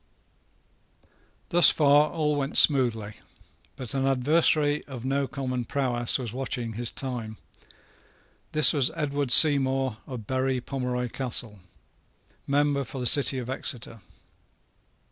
Thus far all went smoothly. But an adversary of no common prowess was watching his time. This was Edward Seymour of Berry Pomeroy Castle, member for the city of Exeter.